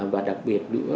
và đặc biệt nữa